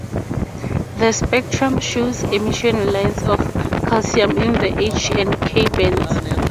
The spectrum shows emission lines of calcium in the H and K bands.